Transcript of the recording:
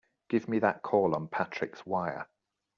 Give me that call on Patrick's wire!